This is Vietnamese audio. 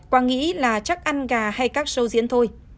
quang nghĩ là chắc ăn gà hay các show diễn thôi